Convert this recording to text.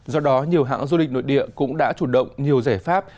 do đó nhiều hãng du lịch nội địa cũng đã chủ động nhiều giải pháp